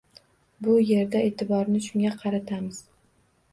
Bu yerda e’tiborni shunga qaratamiz.